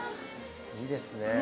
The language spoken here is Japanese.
いいですね。